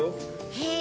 へえ！